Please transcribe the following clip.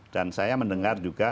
dan saya mendengar juga